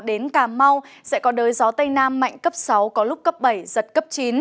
đến cà mau sẽ có đới gió tây nam mạnh cấp sáu có lúc cấp bảy giật cấp chín